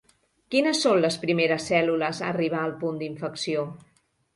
Quines són les primeres cèl·lules a arribar al punt d'infecció?